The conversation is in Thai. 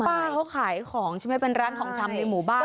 ป้าเขาขายของใช่ไหมเป็นร้านของชำในหมู่บ้าน